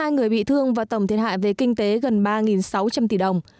tám mươi hai người bị thương và tổng thiên hại về kinh tế gần ba sáu trăm linh tỷ đồng